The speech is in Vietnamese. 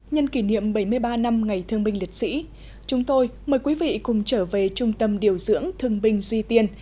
nhân kỷ niệm bảy mươi ba năm ngày thương binh liệt sĩ chúng tôi mời quý vị cùng trở về trung tâm điều dưỡng thương binh duy tiên